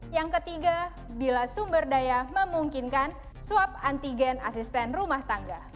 yang ketiga bila sumber daya memungkinkan swab antigen asisten rumah tangga